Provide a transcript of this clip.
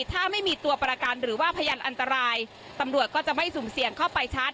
ถ้าไม่มีตัวประกันหรือว่าพยานอันตรายตำรวจก็จะไม่สุ่มเสี่ยงเข้าไปชัด